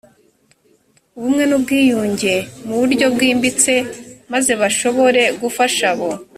ubumwe n ubwiyunge mu buryo bwimbitse maze bashobore gufasha abo